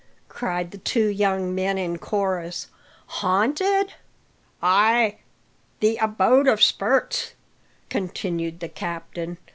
cried the two young men in chorus. "Haunted?" "Ay, the abode o' spurts," continued the captain.